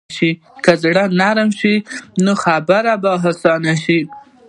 که زړه نرمه شي، نو خبرې به اسانه شي.